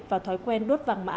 và thói quen đốt vàng mã